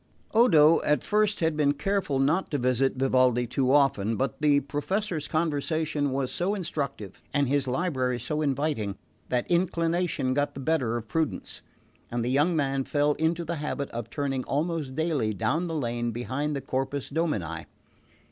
Odo, at first, had been careful not to visit Vivaldi too often; but the Professor's conversation was so instructive, and his library so inviting, that inclination got the better of prudence, and the young man fell into the habit of turning almost daily down the lane behind the Corpus Domini.